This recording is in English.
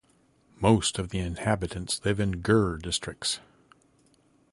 Most of inhabitants live in ger districts.